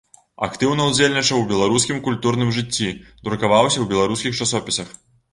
Актыўна ўдзельнічаў у беларускім культурным жыцці, друкаваўся ў беларускіх часопісах.